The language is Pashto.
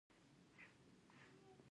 چې بې وسه وي بې کسه وي